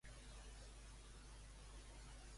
Em pots dir les accions de Naturgy?